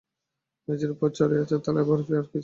মেঝের উপর পড়ে আছে থালায় বরফি আর কিছু আবির।